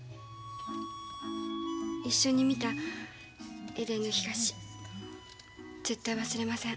一緒に見た「エデンの東」絶対忘れません。